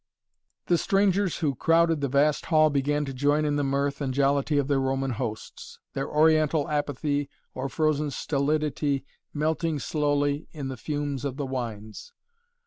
The strangers who crowded the vast hall began to join in the mirth and jollity of their Roman hosts, their Oriental apathy or frozen stolidity melting slowly in the fumes of the wines.